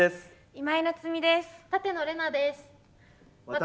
今井菜津美です。